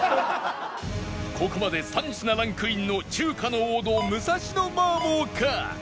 ここまで３品ランクインの中華の王道武蔵野麻婆か？